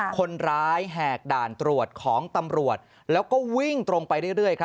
แหกด่านตรวจของตำรวจแล้วก็วิ่งตรงไปเรื่อย